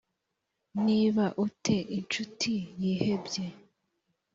niba u te incuti yihebye